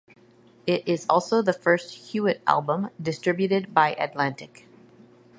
It is also the first Hewitt album distributed by Atlantic.